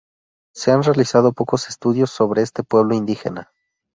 Se han realizado pocos estudios sobre este pueblo indígena.